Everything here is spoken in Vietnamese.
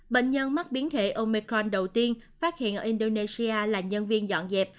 bệnh nhân mắc biến thể omicron đầu tiên phát hiện ở indonesia là nhân viên dọn dẹp